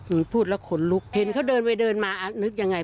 อืมพูดแล้วขนลุกเห็นเขาเดินไปเดินมาอ่ะนึกยังไง